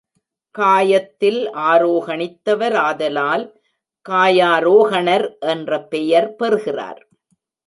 காயத்தில் ஆரோகணித்தவர் ஆதலால் காயாரோகணர் என்ற பெயர் பெறுகிறார்.